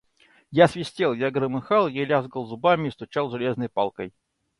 Я свистел, я громыхал, я лязгал зубами и стучал железной палкой.